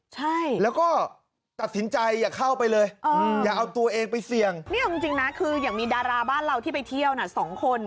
ใช่แล้วก็ตัดสินใจอย่าเข้าไปเลยอย่าเอาตัวเองไปเสี่ยงเนี่ยเอาจริงนะคืออย่างมีดาราบ้านเราที่ไปเที่ยวน่ะสองคน